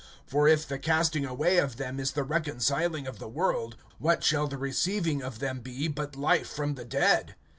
(15)For if the casting away of them is the reconciling of the world, what shall the receiving of them be, but life from the dead?